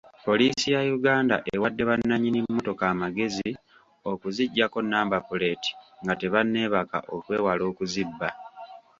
Poliisi ya Uganda ewadde bannanyini mmotoka amagezi okuziggyako namba puleeti nga tebanneebaka okwewala okuzibba.